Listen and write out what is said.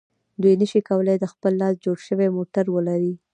دوی نشي کولای د خپل لاس جوړ شوی موټر ولري.